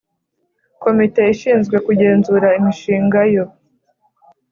Komite ishinzwe kugenzura imishinga yo